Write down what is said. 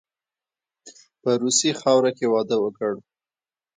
په روسي خاوره کې واده وکړ.